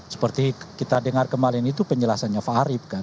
seperti kita dengar kemarin itu penjelasannya faarif kan